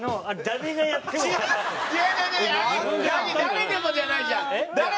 「誰でも」じゃないじゃん。